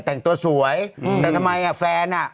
แต่งตัวสวยแต่ทำไมอ่ะแฟนอ่ะ